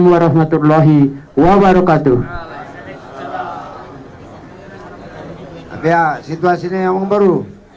warahmatullahi wabarakatuh ya situasinya yang baru